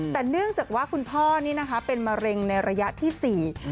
แต่เนื่องจากว่าคุณพ่อนี่นะคะเป็นมะเร็งในระยะที่สี่